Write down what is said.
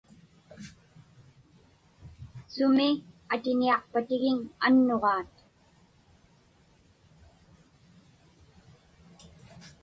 Sumi atiniaqpatigiŋ annuġaat?